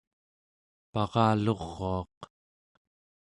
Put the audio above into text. paraluruaq